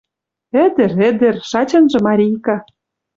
Ӹдӹр — ӹдӹр, шачынжы марийка.